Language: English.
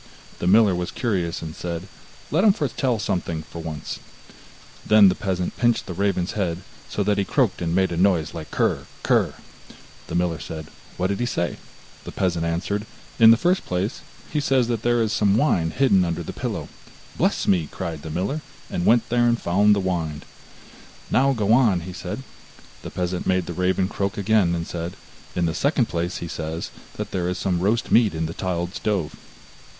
The miller was curious, and said: 'Let him foretell something for once.' Then the peasant pinched the raven's head, so that he croaked and made a noise like krr, krr. The miller said: 'What did he say?' The peasant answered: 'In the first place, he says that there is some wine hidden under the pillow.' 'Bless me!' cried the miller, and went there and found the wine. 'Now go on,' said he. The peasant made the raven croak again, and said: 'In the second place, he says that there is some roast meat in the tiled stove.